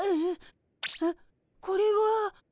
あっこれは。